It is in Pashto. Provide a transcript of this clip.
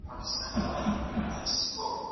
هغه عوامل چي دولت کمزوری کوي پیژندل سوي.